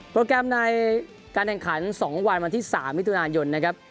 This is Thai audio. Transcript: โปรแกรมในการแข่งขันสองวันวันที่สามวิทยุนาลยนต์นะครับ